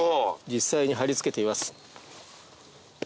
実際に張り付けてみます。